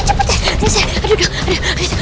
aduh aduh aduh aduh